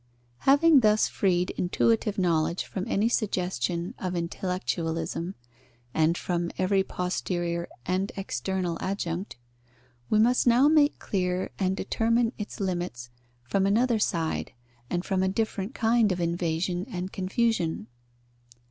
_ Having thus freed intuitive knowledge from any suggestion of intellectualism and from every posterior and external adjunct, we must now make clear and determine its limits from another side and from a different kind of invasion and confusion.